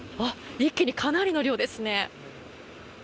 一気にかなりの量ですね。